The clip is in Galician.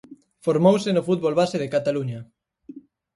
Formouse no fútbol base de Cataluña.